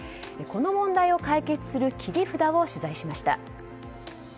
この問題を解決する切り札を取材しました。